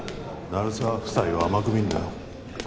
鳴沢夫妻を甘く見んなよ